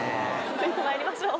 続いてまいりましょう。